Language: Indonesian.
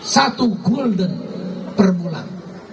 satu golden per bulan